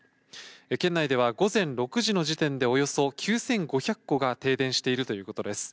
県内では午前６時の時点でおよそ９５００戸が停電しているということです。